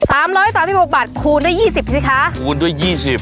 สามร้อยสามสิบหกบาทคูณด้วยยี่สิบสิคะคูณด้วยยี่สิบ